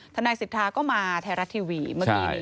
นายสิทธาก็มาไทยรัฐทีวีเมื่อกี้นี้